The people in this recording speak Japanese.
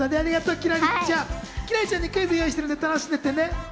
輝星ちゃんにクイズも用意してるので、楽しんで行ってね。